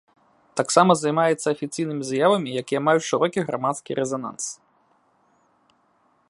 Таксама займаецца афіцыйнымі заявамі, якія маюць шырокі грамадскі рэзананс.